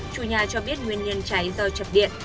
chủ nhà cho biết nguyên nhân cháy do chập điện